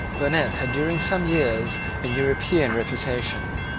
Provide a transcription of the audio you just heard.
Burnet had during some years had an European reputation.